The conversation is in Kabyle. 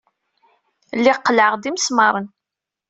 Lliɣ qellɛeɣ-d imesmaṛen.